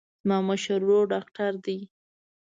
زما مشر ورور ډاکتر دی.